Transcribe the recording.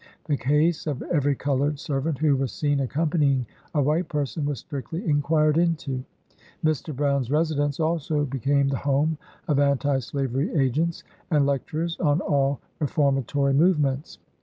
The case of every colored servant who was seen accompanying a white person was strictly inquired into. Mr. Brown's residence also became the home of Anti Slavery agents, and lecturers on all reformatory move ments.